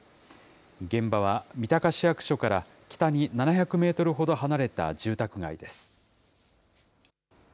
現場は三鷹市役所から北に７００メートルほど離れた住宅街です。